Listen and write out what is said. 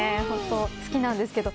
本当に好きなんですけど。